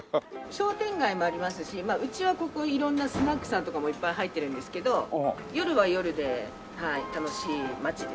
商店街もありますしうちはここ色んなスナックさんとかもいっぱい入ってるんですけど夜は夜で楽しい街ですよ。